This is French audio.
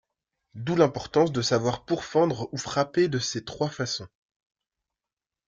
D'où l'importance de savoir pourfendre ou frapper de ces trois façons.